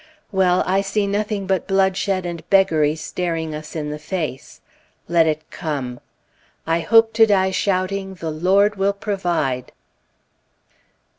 Well, I see nothing but bloodshed and beggary staring us in the face. Let it come. "I hope to die shouting, the Lord will provide."